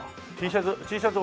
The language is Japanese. Ｔシャツ